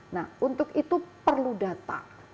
nah untuk itu perlu data